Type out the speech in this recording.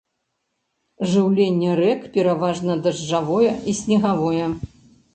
Жыўленне рэк пераважна дажджавое і снегавое.